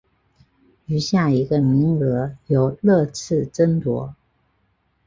余下一个名额由热刺争夺。